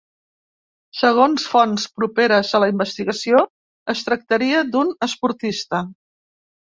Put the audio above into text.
Segons fonts properes a la investigació es tractaria d’un esportista.